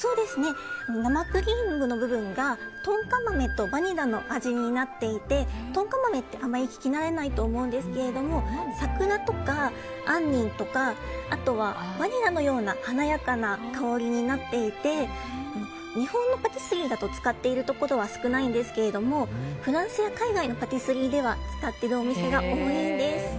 生クリームの部分がトンカ豆とバニラの味になっていてトンカ豆ってあまり聞き慣れないと思うんですが桜とか杏仁とかあとはバニラのような華やかな香りになっていて日本のパティスリーだと使っているところは少ないんですがフランスや海外のパティスリーでは使っているお店が多いんです。